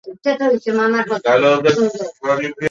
এটি এই অঞ্চলের একটি বাণিজ্যিক, শিল্প, পরিবহন ও চিকিৎসা কেন্দ্র।